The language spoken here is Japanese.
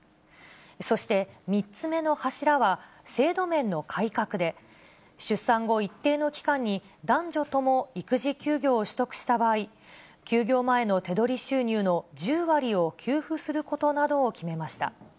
そして、３つ目の柱は制度面の改革で、出産後、一定の期間に男女とも育児休業を取得した場合、休業前の手取り収入の１０割を給付することなどを決めました。